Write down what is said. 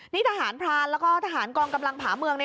นี่ทหารพรานแล้วก็ทหารกองกำลังผาเมือง